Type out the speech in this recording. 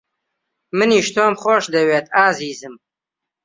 منیش تۆم خۆش دەوێت، ئازیزم.